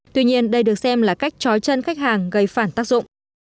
tuy nhiên đây được xem là cách trói chân khách hàng gây phản tác dụng